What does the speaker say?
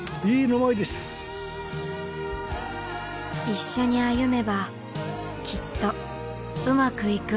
一緒に歩めばきっとウマくいく